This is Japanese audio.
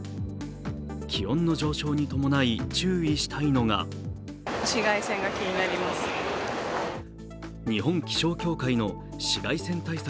気温の上昇に伴い、注意したいのが日本気象協会の紫外線対策